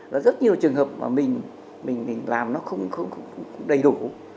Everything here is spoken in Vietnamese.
và rất nhiều trường hợp mà mình làm nó không đầy đủ